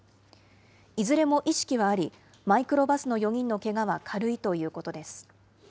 いずれも意識はあり、マイクロバスの４人のけがは軽いということです。